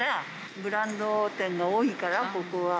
ブランド店が多いから、ここは。